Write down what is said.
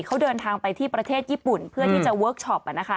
เขาเดินทางไปที่ประเทศญี่ปุ่นเพื่อที่จะเวิร์คชอปนะคะ